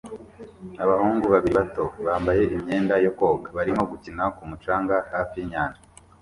Abahungu babiri bato bambaye imyenda yo koga barimo gukina ku mucanga hafi yinyanja